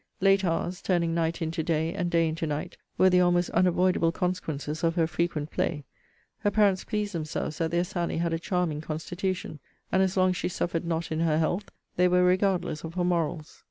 Late hours (turning night into day, and day into night) were the almost unavoidable consequences of her frequent play. Her parents pleased themselves that their Sally had a charming constitution: and, as long as she suffered not in her health, they were regardless of her morals.